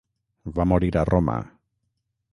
Va morir a Roma.